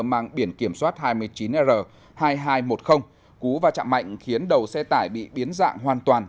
mang biển kiểm soát hai mươi chín r hai nghìn hai trăm một mươi cú va chạm mạnh khiến đầu xe tải bị biến dạng hoàn toàn